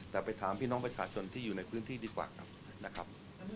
แต่ไปถามพี่น้องประชาชนที่อยู่ในพื้นที่ดีกว่าครับนะครับ